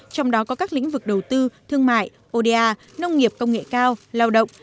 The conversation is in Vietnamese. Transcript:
trong đó có các lĩnh vực đầu tư thương mại oda nông nghiệp công nghệ cao lao động